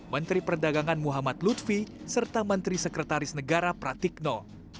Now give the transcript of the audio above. menteri perdagangan muhammad lutfi serta menteri sekretaris negara pratikno